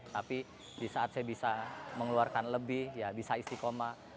tapi di saat saya bisa mengeluarkan lebih ya bisa istiqomah